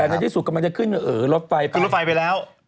แบบนั้นที่สุดกำลังไปขึ้นรถไฟไปก็เลยโดดไปดัดจับได้